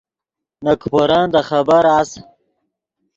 نے کیپورن دے خبر اس